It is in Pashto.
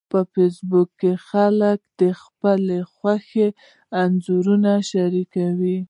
په فېسبوک کې خلک د خپلو خوښیو انځورونه شریکوي